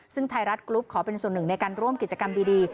ซึ่งไทยรัฐกรุ๊ปขอเป็นส่วนหนึ่งในการร่วมกิจกรรมดี